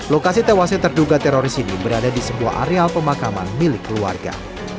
lokasi tewasnya terduga teroris ini berada di sebuah areal pemakaman milik keluarga